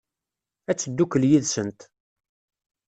Ad teddukel yid-sent?